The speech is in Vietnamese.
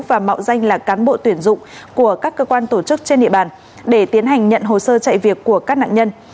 và mạo danh là cán bộ tuyển dụng của các cơ quan tổ chức trên địa bàn để tiến hành nhận hồ sơ chạy việc của các nạn nhân